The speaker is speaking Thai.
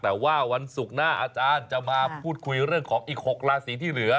แต่ว่าวันศุกร์หน้าอาจารย์จะมาพูดคุยเรื่องของอีก๖ราศีที่เหลือ